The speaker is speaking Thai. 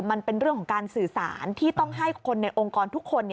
มันเป็นเรื่องของการสื่อสารที่ต้องให้คนในองค์กรทุกคน